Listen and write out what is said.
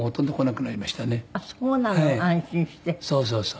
そうそうそう。